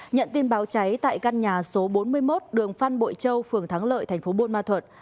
nhận tin báo cháy tại căn nhà số bốn mươi một đường phan bội châu phường thắng lợi thành phố bôn ma thuận